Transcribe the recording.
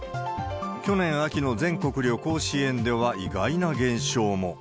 去年秋の全国旅行支援では、意外な現象も。